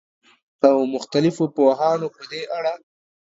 او مختلفو پوهانو په دې اړه